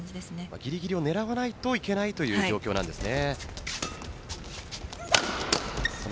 ぎりぎりを狙わないといけないという状況なんですね。